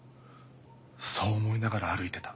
そう思いながら歩いてた。